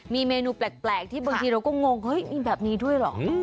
มีเมนูแปลกที่บางทีเราก็งงเฮ้ยมีแบบนี้ด้วยเหรอ